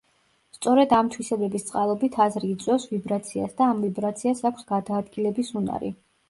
სწორედ ამ თვისებების წყალობით აზრი იწვევს ვიბრაციას და ამ ვიბრაციას აქვს გადაადგილების უნარი.